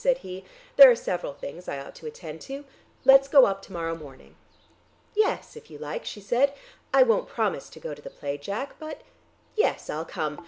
said he. "There are several things I ought to attend to. Lets go up to morrow morning." "Yes, if you like," she said. "I won't promise to go to the play, Jack, but yes I'll come.